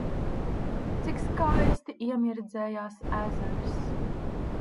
Cik skaisti iemirdzējās ezers!